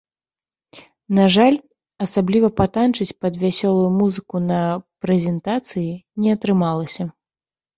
На жаль, асабліва патанчыць пад вясёлую музыку на прэзентацыі не атрымалася.